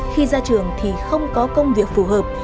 khi ra trường thì không có công việc phù hợp